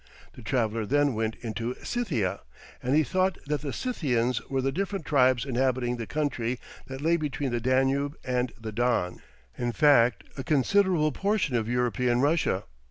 The traveller then went into Scythia, and he thought that the Scythians were the different tribes inhabiting the country that lay between the Danube and the Don, in fact a considerable portion of European Russia.